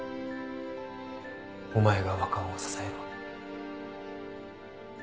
お前が若尾を支えろ。